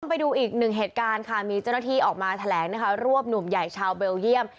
ไปดูอีกหนึ่งเหตุการณ์ค่ะมีเจ้าหน้าที่ออกมาแถลงนะคะรวบหนุ่มใหญ่ชาวเบลเยี่ยม